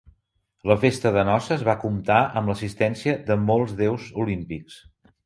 La festa de noces va comptar amb l'assistència de molts déus olímpics.